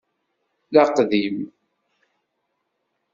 D aqdim.